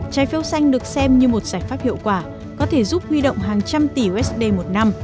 trái phiếu xanh được xem như một giải pháp hiệu quả có thể giúp huy động hàng trăm tỷ usd một năm